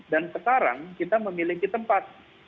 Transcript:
dan sekarang kita memiliki tempat